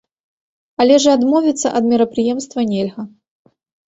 Але ж і адмовіцца ад мерапрыемства нельга.